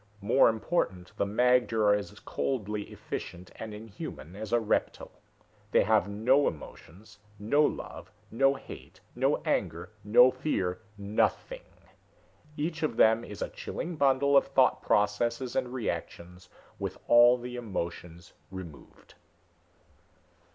More important, the magter are as coldly efficient and inhuman as a reptile. They have no emotions, no love, no hate, no anger, no fear nothing. Each of them is a chilling bundle of thought processes and reactions, with all the emotions removed."